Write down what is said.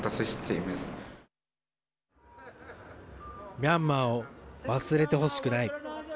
ミャンマーを忘れてほしくない。